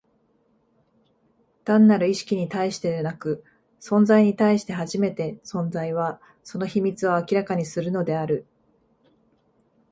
単なる意識に対してでなく、存在に対して初めて、存在は、その秘密を明らかにするのである。